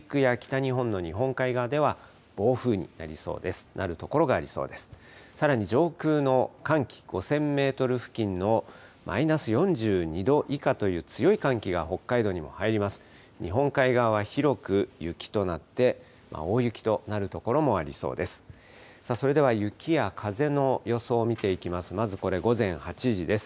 日本海側は広く雪となって、大雪となる所もありそうです。